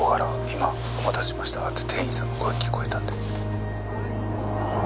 「今“お待たせしました”って店員さんの声聞こえたんで」